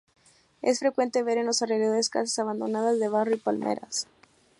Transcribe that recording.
Es frecuente ver en los alrededores casas abandonadas de barro y palmeras.